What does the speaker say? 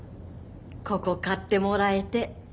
ここ買ってもらえて。